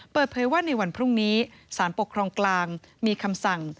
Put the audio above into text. เปิดเผยว่าในวันพรุ่งนี้สารปกครองกลางมีคำสั่ง